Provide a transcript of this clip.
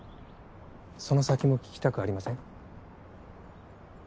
その先も聞きたくありません？